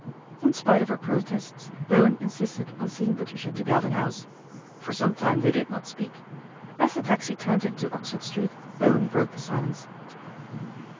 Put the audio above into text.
In spite of her protests Bowen insisted on seeing Patricia to Galvin House. For some time th did not speak. As the taxi turned into Oxfon Street Bowen broke the silence.